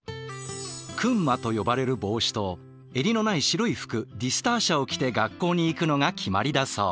「クンマ」と呼ばれる帽子と襟のない白い服「ディスターシャ」を着て学校に行くのが決まりだそう。